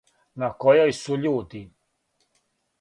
На којој су људи?